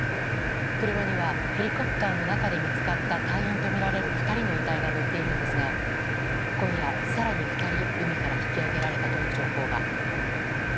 車にはヘリコプターの中で見つかった隊員とみられる２人の遺体が乗っているんですが今夜、更に人海から引き揚げられたとの情報が。